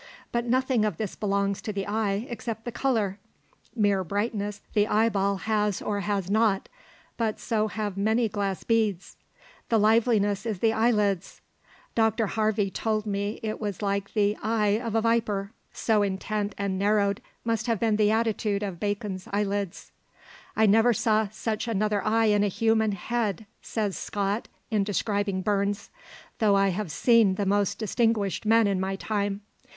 But nothing of this belongs to the eye except the colour. Mere brightness the eyeball has or has not, but so have many glass beads: the liveliness is the eyelid's. "Dr Harvey told me it was like the eie of a viper." So intent and narrowed must have been the attitude of Bacon's eyelids. "I never saw such another eye in a human, head," says Scott in describing Burns, "though I have seen the most distinguished men in my time.